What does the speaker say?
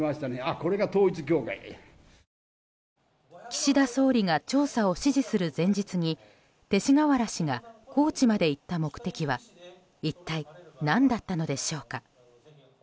岸田総理が調査を指示する前日に勅使河原氏が高知まで行った目的は一体、何だったのでしょうか。